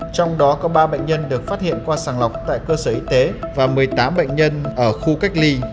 trong đó có ba bệnh nhân được phát hiện qua sàng lọc tại cơ sở y tế và một mươi tám bệnh nhân ở khu cách ly